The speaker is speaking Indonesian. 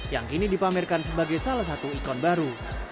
yang kini dipamerkan sebagai salah satu ikon baru